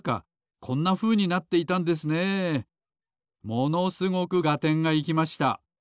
ものすごくがてんがいきました。